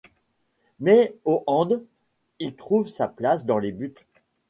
Mais au hand, il trouve sa place dans les buts.